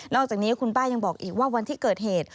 อกจากนี้คุณป้ายังบอกอีกว่าวันที่เกิดเหตุ